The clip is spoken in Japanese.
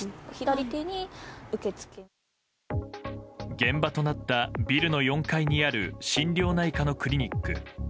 現場となったビルの４階にある心療内科のクリニック。